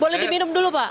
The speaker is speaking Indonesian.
boleh dibinum dulu pak